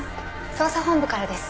捜査本部からです。